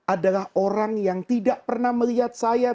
adalah orang yang tidak pernah melihat saya